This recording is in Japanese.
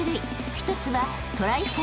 ［一つは］